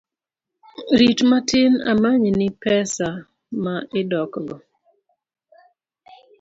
Rit matin amany ni pesa ma idok go